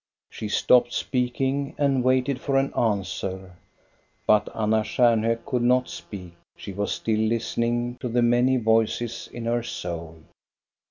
She stopped speaking, and waited for an answer; but Anna Stjarnhok could not speak, she was still listening to the many voices in her soul.